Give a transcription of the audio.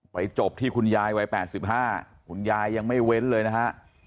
จบที่คุณยายวัย๘๕คุณยายยังไม่เว้นเลยนะฮะ